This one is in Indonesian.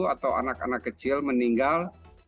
atau anak anak kecil meninggal